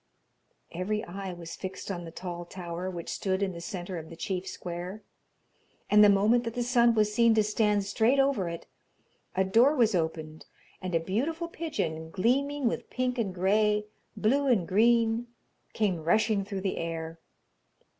Every eye was fixed on the tall tower which stood in the centre of the chief square, and the moment that the sun was seen to stand straight over it, a door was opened and a beautiful pigeon, gleaming with pink and grey, blue and green, came rushing through the air.